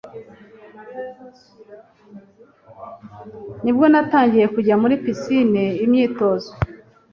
Nibwo natangiye kujya muri pisine imyitozo.